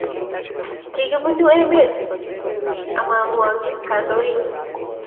Kikiput emet amamwaki kandoik.